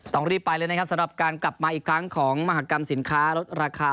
ต้องรีบไปเลยนะครับสำหรับการกลับมาอีกครั้งของมหากรรมสินค้าลดราคา